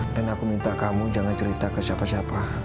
dan aku minta kamu jangan cerita ke siapa siapa